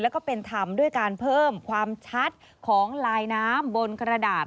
แล้วก็เป็นธรรมด้วยการเพิ่มความชัดของลายน้ำบนกระดาษ